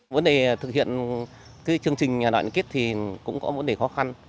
vấn đề thực hiện chương trình đoàn kết thì cũng có vấn đề khó khăn